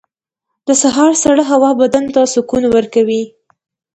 • د سهار سړه هوا بدن ته سکون ورکوي.